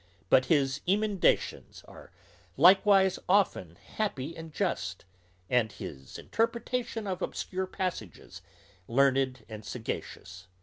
But his emendations are likewise often happy and just; and his interpretation of obscure passages learned and sagacious.